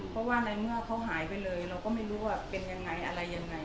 เพราะว่าในเมื่อเขาหายไปเลยเราก็ไม่รู้ว่าเป็นยังไงอะไรยังไง